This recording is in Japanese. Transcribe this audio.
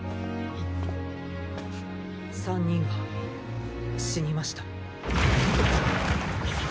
３人は死にました。